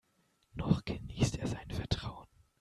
Noch genießt er sein Vertrauen.